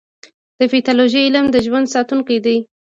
د پیتالوژي علم د ژوند ساتونکی دی.